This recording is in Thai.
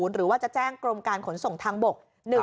หรือว่าจะแจ้งกรมการขนส่งทางบก